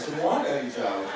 semua dari jauh